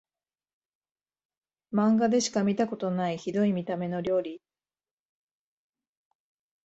マンガでしか見たことないヒドい見た目の料理